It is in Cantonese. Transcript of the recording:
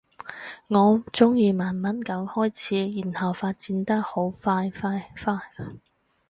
我鍾意慢慢噉開始，然後發展得好快快快